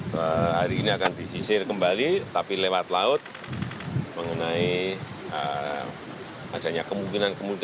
saya kira nanti pak menteri pu akan menyampaikan mengenai itu